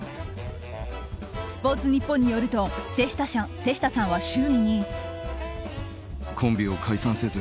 スポーツニッポンによると瀬下さんは周囲に。